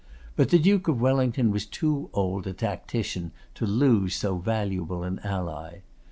But the Duke of Wellington was too old a tactician to lose so valuable an ally.